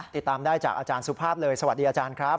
ติดตามได้จากอาจารย์สุภาพเลยสวัสดีอาจารย์ครับ